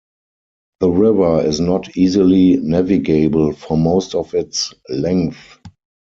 The river is not easily navigable for most of its length.